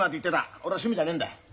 俺の趣味じゃねえんだ。